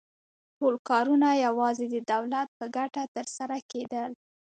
ټول کارونه یوازې د دولت په ګټه ترسره کېدل